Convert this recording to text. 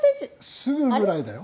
すぐぐらいだよ。